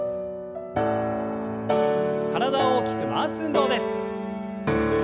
体を大きく回す運動です。